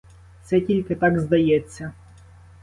Це тільки так здається.